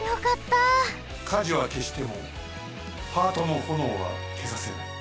火事はけしてもハートのほのおはけさせない。